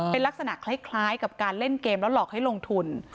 เป็นลักษณะคล้ายกับการเล่นเกมแล้วหลอกให้ลงทุน